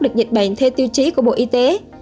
được dịch bệnh theo tiêu chí của bộ y tế